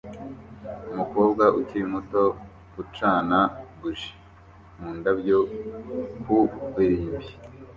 Umukobwa ukiri muto ucana buji mu ndabyo ku irimbi